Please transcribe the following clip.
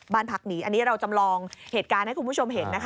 บ้านพักหนีอันนี้เราจำลองเหตุการณ์ให้คุณผู้ชมเห็นนะคะ